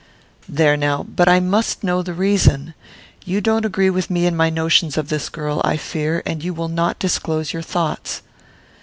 There now but I must know the reason. You don't agree with me in my notions of this girl, I fear, and you will not disclose your thoughts."